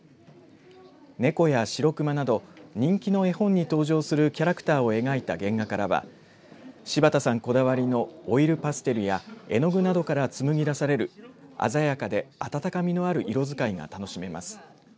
猫や白熊など人気の絵本に登場するキャラクターを描いた原画からは柴田さんこだわりのオイルパステルや絵の具などから紡ぎ出される鮮やかで温かみのある色使いが楽しめます。